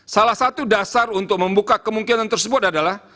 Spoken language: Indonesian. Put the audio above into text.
salah satu dasar untuk membuka kemungkinan tersebut adalah